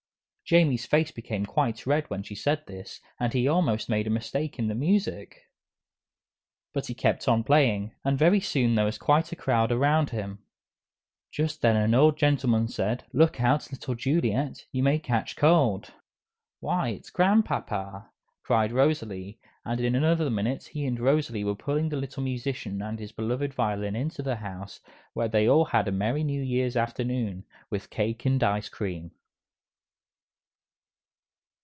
Jamie's face became quite red when she said this, and he almost made a mistake in the music. But he kept on playing, and very soon there was quite a crowd around him. Just then an old gentleman said, "Look out, little Juliet you may catch cold!" "Why, it's Grandpapa," cried Rosalie, and in another minute he and Rosalie were pulling the little musician and his beloved violin into the house, where they all had a merry New Year's afternoon, with cake and ice cream.